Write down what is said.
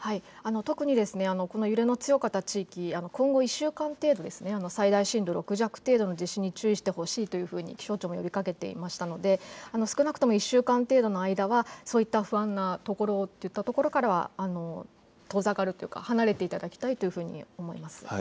特にこの揺れの強かった地域、今後１週間程度、最大震度６弱程度の地震に注意してほしいというふうに気象庁も呼びかけていましたので少なくとも１週間程度の間はそういった不安なところといったところからは遠ざかるというから離れていただきたいというふうに思います。